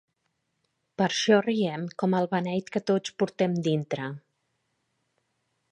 Per això riem com el beneit que tots portem dintre.